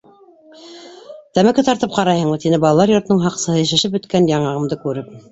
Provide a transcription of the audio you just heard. — Тәмәке тартып ҡарайһыңмы? — тине балалар йортоноң һаҡсыһы, шешеп бөткән яңағымды күреп.